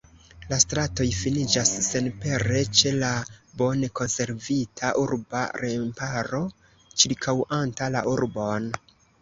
La stratoj finiĝas senpere ĉe la bone konservita urba remparo ĉirkaŭanta la urbon.